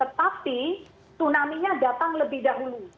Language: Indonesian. tetapi tunaminya datang lebih dahulu